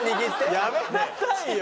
やめなさいよ。